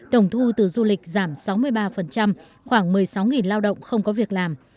tổng thu từ du lịch giảm sáu mươi ba khoảng một mươi sáu lao động không có việc làm